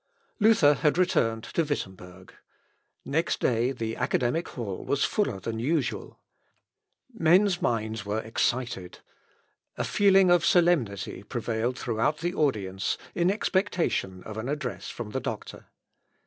Luther had returned to Wittemberg. Next day the academic hall was fuller than usual. Men's minds were excited. A feeling of solemnity prevailed throughout the audience, in expectation of an address from the doctor.